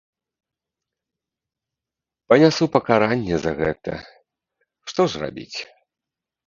Панясу пакаранне за гэта, што ж рабіць.